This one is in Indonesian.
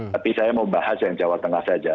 tapi saya mau bahas yang jawa tengah saja